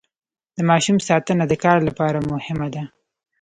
د ماشوم ساتنه د کار لپاره مهمه ده.